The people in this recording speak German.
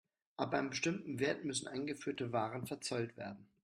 Ab einem bestimmten Wert müssen eingeführte Waren verzollt werden.